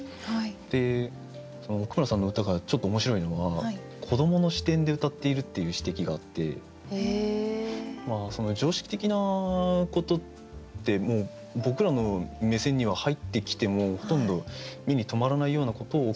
で奥村さんの歌がちょっと面白いのは子どもの視点でうたっているっていう指摘があって常識的なことってもう僕らの目線には入ってきてもほとんど目に留まらないようなことを奥村さんは見ている。